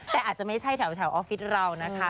แต่อาจจะไม่ใช่แถวออฟฟิศเรานะคะ